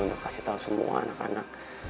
untuk kasih tahu semua anak anak